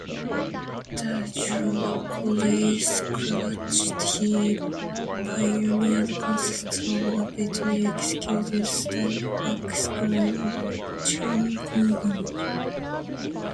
The "Joe Cooley" scratch he pioneered consists of rapidly executed stab-backscribble-chirp combinations.